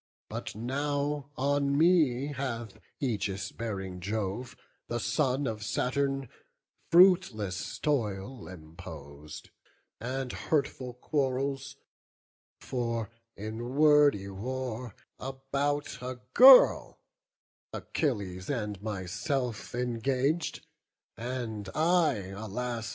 But now on me hath aegis bearing Jove, The son of Saturn, fruitless toil impos'd, And hurtful quarrels; for in wordy war About a girl, Achilles and myself Engag'd; and I, alas!